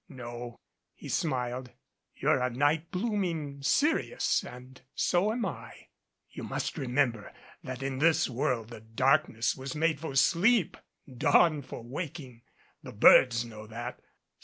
"No," he smiled, "you're a night blooming cereus and so am I. You must remember that in this world the darkness was made for sleep, dawn for waking. The birds know that.